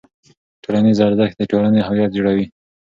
ټولنیز ارزښت د ټولنې هویت جوړوي.